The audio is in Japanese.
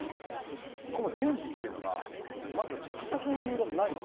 このデンジっていうのがまず戦う理由がないんですよ。